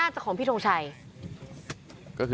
แซ็คเอ้ยเป็นยังไงไม่รอดแน่